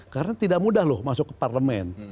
karena tidak mudah loh masuk ke parlemen